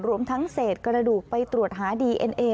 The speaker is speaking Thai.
รวมทั้งเศษกระดูกไปตรวจหาดีเอ็นเอ